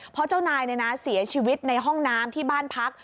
เพราะเจ้านายเสียชีวิตในห้องน้ำที่บ้านพัก